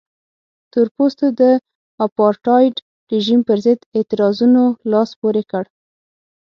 تور پوستو د اپارټایډ رژیم پرضد اعتراضونو لاس پورې کړ.